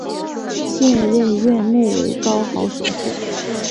现任院牧为高豪神父。